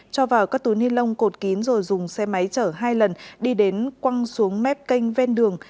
cho vào các túi ni lông cột kín rồi dùng xe máy chở hai lần đi đến quăng xuống mép kênh ven đường